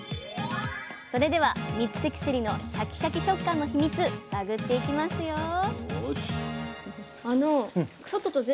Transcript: それでは三関せりのシャキシャキ食感のヒミツ探っていきますよ！